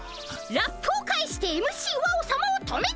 ラップを返してＭＣワオさまを止めた！